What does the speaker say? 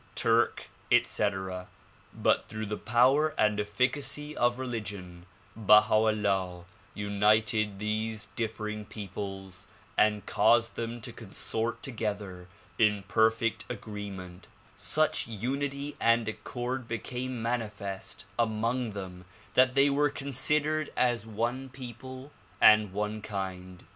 Turk, etc., but through the 94 THE PRO^IULGATION OF UNIVERSAL PEACE power and efficacy of religion Baha 'Ullah united these differing peoples and caused them to consort together in perfect agreement. Such unity and accord became manifest among them that they were considered as one people and one kind.